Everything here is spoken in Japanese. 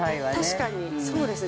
◆確かに、そうですね。